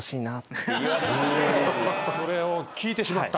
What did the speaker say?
それを聞いてしまった。